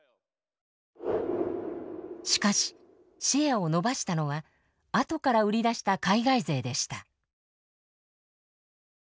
しかしシェアを伸ばしたのは後から売り出した海外勢でした。